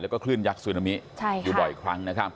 และขึ้นยักษ์สูรนามิบ่อยคลั้ง